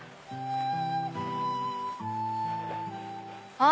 あっ！